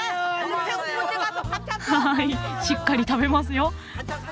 はいしっかり食べますよ。